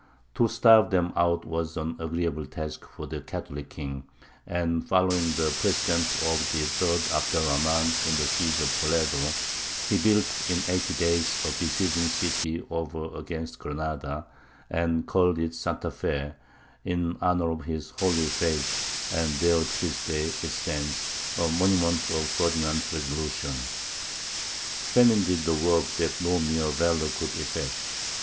To starve them out was an agreeable task for the Catholic king; and following the precedent of the third Abd er Rahmān in the siege of Toledo, he built in eighty days a besieging city over against Granada, and called it Santa Fé, in honour of his "Holy Faith," and there to this day it stands, a monument of Ferdinand's resolution. Famine did the work that no mere valour could effect.